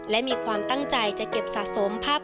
และมีความตั้งใจจะเก็บสะสมภาพ